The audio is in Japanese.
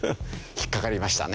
引っかかりましたね。